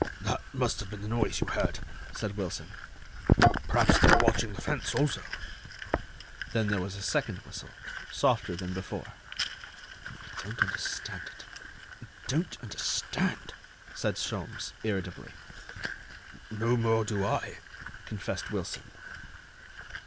"That must have been the noise you heard," said Wilson. "Perhaps they are watching the fence also." Then there was a second whistle, softer than before. "I don't understand it; I don't understand," said Sholmes, irritably. "No more do I," confessed Wilson.